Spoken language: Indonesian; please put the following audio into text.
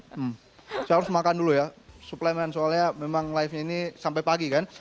hmm saya harus makan dulu ya suplemen soalnya memang live nya ini sampai pagi kan